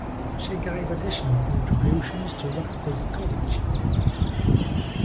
She gave additional contributions to Rutgers College.